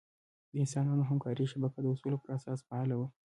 د انسانانو همکارۍ شبکه د اصولو پر اساس فعاله وه.